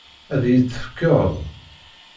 Ad iyi-t-tefkeḍ?